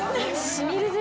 染みるぜ。